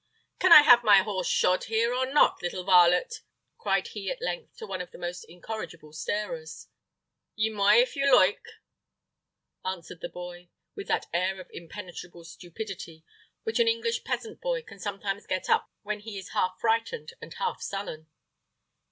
"Can I have my horse shod here or not, little varlet?" cried he at length to one of the most incorrigible starers. "Ye moy, if ye loyke," answered the boy, with that air of impenetrable stupidity which an English peasant boy can sometimes get up when he is half frightened and half sullen.